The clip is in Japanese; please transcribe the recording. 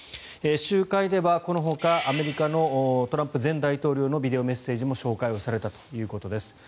集会ではこのほかアメリカのトランプ前大統領のビデオメッセージも紹介されたということです。